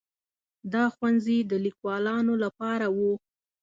دا ښوونځي د لیکوالانو لپاره وو.